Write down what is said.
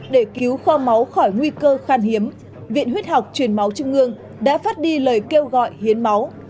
để cứu kho máu khỏi nguy cơ khan hiếm viện huyết học truyền máu trung ương đã phát đi lời kêu gọi hiến máu